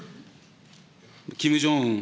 キム・ジョンウン